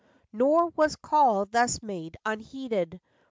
" Nor was call thus made unheeded.